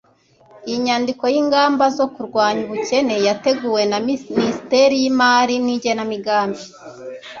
iyi nyandiko y'ingamba zo kurwanya ubukene yateguwe na minisiteri y'lmari n'igenamigambi